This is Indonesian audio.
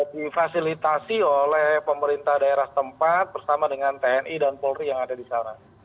difasilitasi oleh pemerintah daerah tempat bersama dengan tni dan polri yang ada di sana